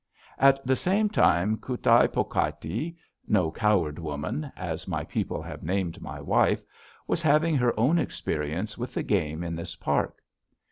At the same time Kut´ ai ko pak i (No Coward Woman as my people have named my wife) was having her own experience with the game in this Park.